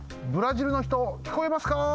ブラジルのひときこえますか？